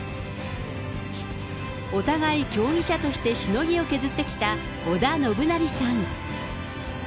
お互い競技者としてしのぎを削ってきた織田信成さん。